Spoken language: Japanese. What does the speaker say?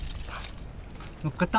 乗っかった？